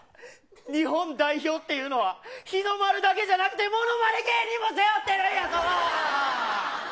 日本代表っていうのは日の丸だけじゃなくてものまね芸人も背負ってるんやぞ。